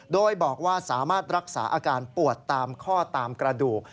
โดยบอกว่าสามารถรักษาอาการปวดตามข้อตามกระดูก